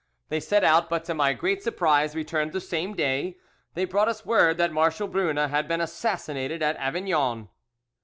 They set out, but to my great surprise returned the same day. They brought us word that Marshal Brune had been assassinated at Avignon.